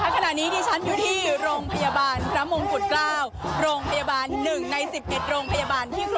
คุณผู้ชมคะขณะนี้ที่ฉันอยู่ที่โรงพยาบาลพระมงกุฎเกล้า